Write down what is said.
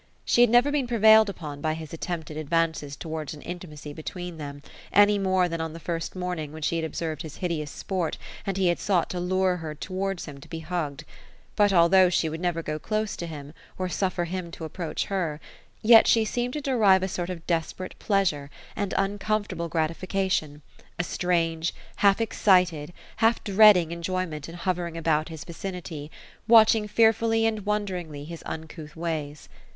She had never been prevailed upon by his attempted advances towards an intimacy between them, any more than on the first morning, when she had observed his hideous sport, and he had sought to lure her towards him to be hugged ; but although she would never go close to him, or suffer him to approach her, yet she seemed to derive a sort of desperate pleasure, and uncomfortable gratification, a strange, half excited, half dreading enjoyment in hovering about his vicinity, watching fearfully and wonderingly his uncouth ways.